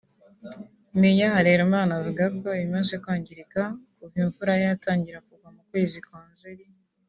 Mayor Harerimana avuga ko ibimaze kwangirika kuva imvura yatangira kugwa mu kwezi kwa Nzeli